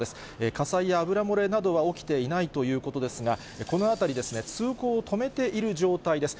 火災や油漏れなどは起きていないということですが、この辺り、通行を止めている状態です。